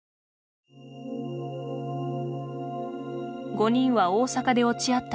５人は大阪で落ち合った